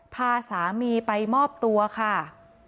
พาสามีไปมอบตัวค่ะ